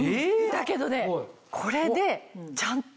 だけどね。